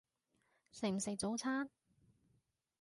食唔食早餐？